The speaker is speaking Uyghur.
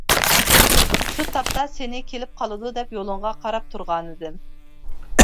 شۇ تاپتا سېنى كېلىپ قالىدۇ دەپ يولۇڭغا قاراپ تۇرغانىدىم.